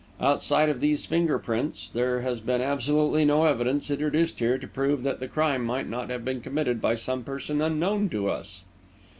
Outside of these finger prints, there has been absolutely no evidence introduced here to prove that the crime might not have been committed by some person unknown to us."